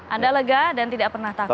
anda lega dan tidak pernah takut